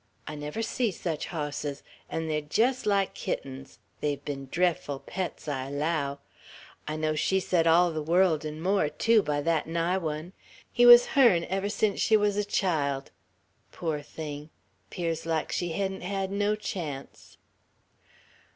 I never see sech hosses; 'n' they're jest like kittens; they've ben drefful pets, I allow. I know she set all the world, 'n' more tew, by thet nigh one. He wuz hern, ever sence she wuz a child. Pore thing, 'pears like she hedn't hed no chance!"